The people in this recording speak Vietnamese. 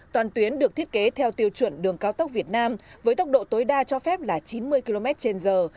toàn tuyến được thiết kế theo tiêu chuẩn đường cao tốc việt nam với tốc độ tối đa cho phép là chín mươi km trên giờ